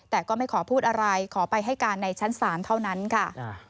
แต่ก็ไม่ขอพูดอะไรขอไปให้การในชั้นศาลเท่านั้นค่ะ